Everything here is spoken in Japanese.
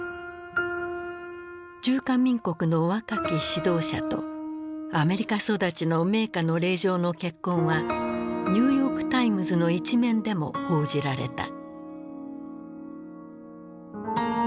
中華民国の若き指導者とアメリカ育ちの名家の令嬢の結婚はニューヨーク・タイムズの一面でも報じられた。